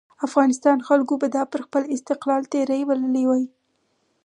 افغانستان خلکو به دا پر خپل استقلال تېری بللی وای.